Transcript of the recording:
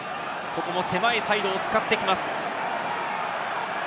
狭いサイドを使ってきます。